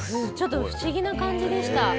ちょっと不思議な感じでした。